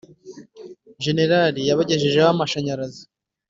général iyabagejejeho amashanyarazi